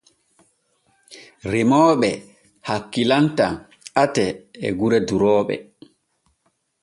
Remooɓe hakkilantaa ate e gure durooɓe.